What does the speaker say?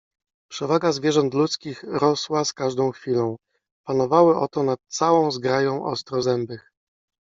Przewaga zwierząt ludzkich rosła z każdą chwilą. Panowały oto nad całą zgrają ostrozębych